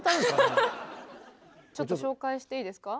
ちょっと紹介していいですか。